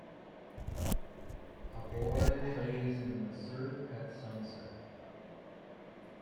A boy plays in the surf at sunset.